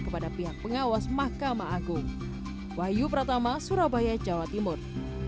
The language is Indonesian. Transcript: kepada pihak pengawas mahkamah agung wahyu pratama surabaya jawa timur